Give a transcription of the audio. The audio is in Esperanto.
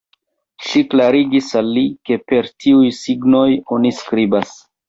Ŝi klarigis al li, ke per tiuj signoj oni skribas.